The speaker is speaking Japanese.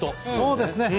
そうですね。